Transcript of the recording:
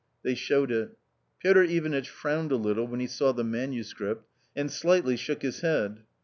They showed it. Piotr Ivanitch frowned a little when he saw the manuscript and slightly shook his head.